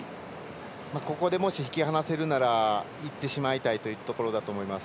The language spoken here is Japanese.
ここで、もし引き離せるならいってしまいたいというところだと思います。